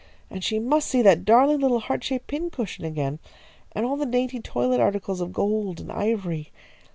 And she must see that darling little heart shaped pin cushion again, and all the dainty toilet articles of gold and ivory.